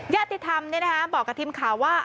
ญาติธรรมนี่นะครับบอกกับทีมข่าวว่า